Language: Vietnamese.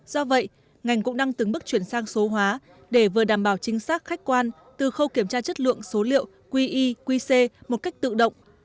do vậy ngành cũng đang từng bước chuyển sang số hóa để vừa đảm bảo chính xác khách quan từ khâu kiểm tra chất lượng số liệu qi qc một cách tự động